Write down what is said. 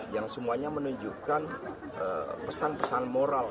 yang semuanya menunjukkan pesan pesan moral